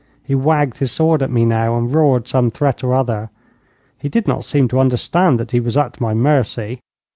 He wagged his sword at me now and roared some threat or other. He did not seem to understand that he was at my mercy.